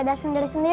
ini bayi di sini